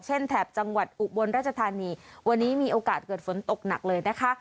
แถบจังหวัดอุบลราชธานีวันนี้มีโอกาสเกิดฝนตกหนักเลยนะคะ